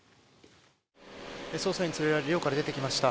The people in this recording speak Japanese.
捜査員に連れられ寮から出てきました。